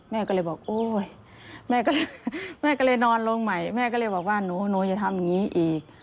แม่ก็เลยบอกโอ๊ยแม่ก็เลยแม่ก็เลยนอนลงใหม่แม่ก็เลยบอกว่าหนูอย่าทำอย่างนี้อีก